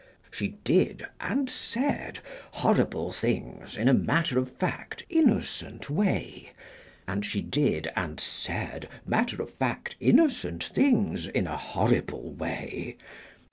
She did, and said, horrible things in a matter of fact innocent way, and she did, and said, matter of fact innocent things in a horrible way.